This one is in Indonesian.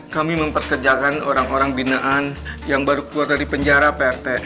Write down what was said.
kami memperkerjakan orang orang binaan yang baru keluar dari penjara prt